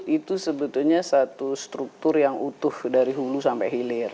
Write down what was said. itu sebetulnya satu struktur yang utuh dari hulu sampai hilir